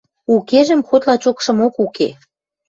– Укежӹм хоть лачокшымок уке...